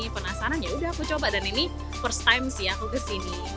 penasaran yaudah aku coba dan ini first time sih aku kesini